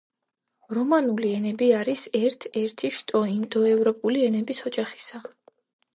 რომანული ენები არის ერთ-ერთი შტო ინდოევროპული ენების ოჯახისა.